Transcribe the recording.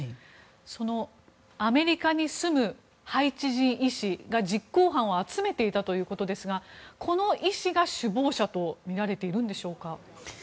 アメリカに住むハイチ人医師が実行犯を集めていたということですがこの医師が首謀者とみられているんでしょうか。